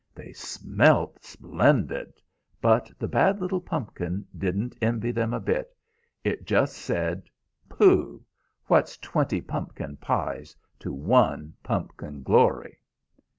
They smelt splendid, but the bad little pumpkin didn't envy them a bit; it just said, 'Pooh! What's twenty pumpkin pies to one pumpkin glory?'"